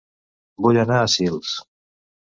Vull anar a Sils